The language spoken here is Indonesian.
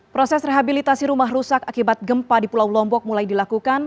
proses rehabilitasi rumah rusak akibat gempa di pulau lombok mulai dilakukan